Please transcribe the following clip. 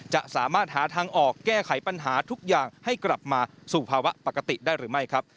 จะสามารถหาทางออกแก้ไขปัญหาทุกอย่างให้กลับมาสู่ภาวะปกติได้หรือไม่ครับ